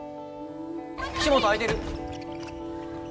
岸本空いてる！